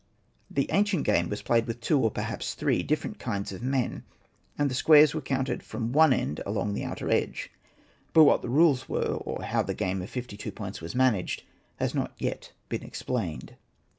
The ancient game was played with two, or perhaps three, dif ferent kinds of men, and the squares were counted from one end along the outer edge ; but what the rules were, or how a game oi fifty two points was managed, has not yet been explained.